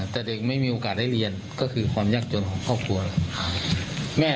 แต่เด็กไม่มีโอกาสได้เรียนก็คือความยากจนของครอบครัวครับ